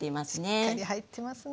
しっかり入ってますね。